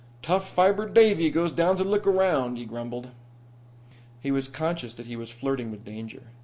"Tough fibered Davie goes down to look around," he grumbled. He was conscious that he was flirting with danger.